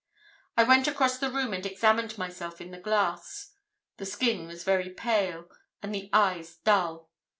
"I went across the room and examined myself in the glass. The skin was very pale, and the eyes dull.